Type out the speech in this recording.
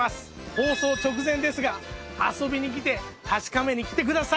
放送直前ですが遊びに来て確かめに来てください